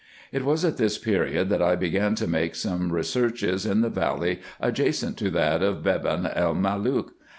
It was at this period, that I began to make some researches in the valley adjacent to that of Beban el Malook.